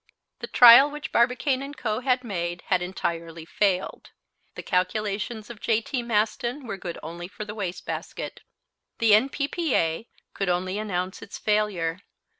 The trial which Barbicane & Co. had made had entirely failed. The calculations of J.T. Maston were good only for the waste basket. The N.P.P.A. could only announce its failure.